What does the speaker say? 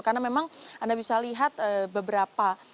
karena memang anda bisa lihat beberapa